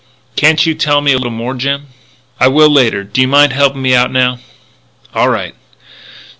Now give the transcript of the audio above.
"Can't you tell me a little more, Jim?" "I will, later. Do you mind helping me out now?" "All right."